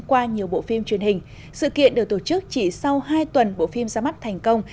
qua nhiều bộ phim truyền hình sự kiện được tổ chức chỉ sau hai tuần bộ phim ra mắt thành công